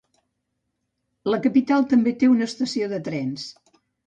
La capital també té una estació de trens.